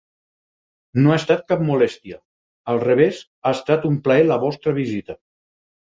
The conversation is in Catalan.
No ha estat cap molèstia; al revés, ha estat un plaer la vostra visita.